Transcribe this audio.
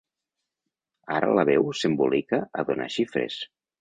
Ara la veu s'embolica a donar xifres.